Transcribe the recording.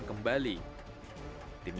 atau berjualan makanan olahan kembali